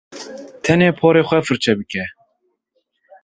Tenê porê xwe firçe bike.